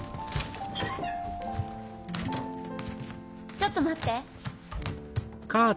ちょっと待って。